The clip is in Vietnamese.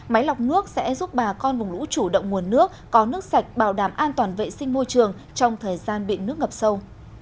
máy lọc nước sẽ giúp bà con vùng lũ chủ động nguồn nước có nước sạch bảo đảm an toàn vệ sinh môi trường trong thời gian bị nước ngập sâu